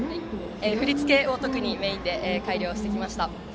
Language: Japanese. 振り付けを特にメインで改良しました。